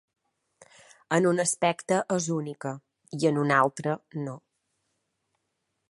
En un aspecte és única, i en un altre, no.